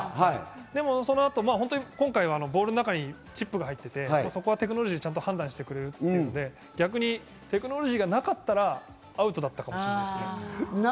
でもそのあと今回はボールの中にチップが入っているので、そこはテクノロジーがちゃんと判断してくれるので逆にテクノロジーがなかったらアウトかもしれません。